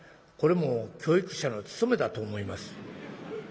これも教育者の務めだと思います」。